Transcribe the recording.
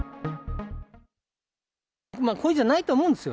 故意じゃないと思うんですよ。